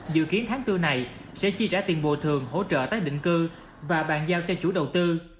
dự kiến tháng bốn này sẽ chi trả tiền bồi thường hỗ trợ tái định cư và bàn giao cho chủ đầu tư